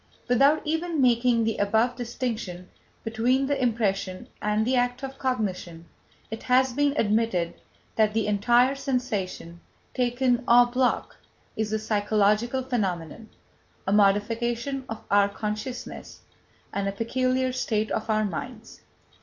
Without even making the above distinction between the impression and the act of cognition, it has been admitted that the entire sensation, taken en bloc, is a psychological phenomenon, a modification of our consciousness and a peculiar state of our minds.